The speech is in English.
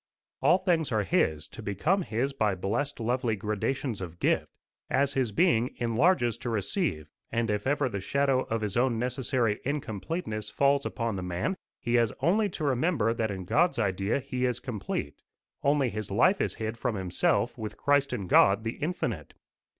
All things are his, to become his by blessed lovely gradations of gift, as his being enlarges to receive; and if ever the shadow of his own necessary incompleteness falls upon the man, he has only to remember that in God's idea he is complete, only his life is hid from himself with Christ in God the Infinite.